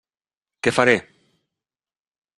Què faré?